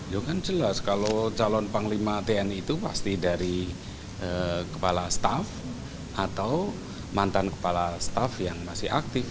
ya kan jelas kalau calon panglima tni itu pasti dari kepala staff atau mantan kepala staff yang masih aktif